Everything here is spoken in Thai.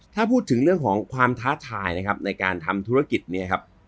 ถ้าพูดถึงเรื่องของความท้าทายนะครับในการทำธุรกิจเนี่ยครับ